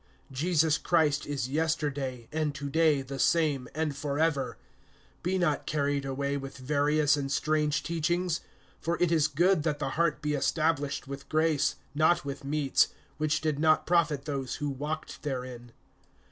(8)Jesus Christ is yesterday and to day the same, and forever. (9)Be not carried away with various and strange teachings; for it is good that the heart be established with grace, not with meats, which did not profit those who walked therein.